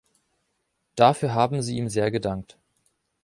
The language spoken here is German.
Dafür haben sie ihm sehr gedankt.